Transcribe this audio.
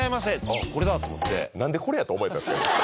あ、これだと思って何で「これや」と思えたんですか？